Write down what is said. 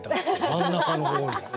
真ん中の方に。